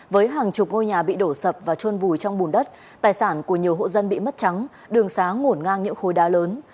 với hàng chục ngôi nhà bị đổ sập và trôn vùi trong bùn đất tài sản của nhiều hộ dân bị mất trắng đường xá ngổn ngang những khối đá lớn